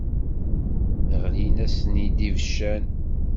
Ɣlin-asen-id ibeccan.